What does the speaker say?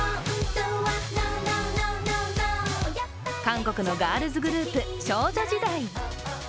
韓国のガールズグループ少女時代。